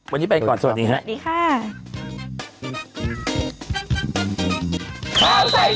วันนี้ไปก่อนสวัสดีค่ะ